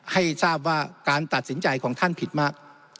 ให้ทราบว่าการตัดสินใจของท่านผิดมาก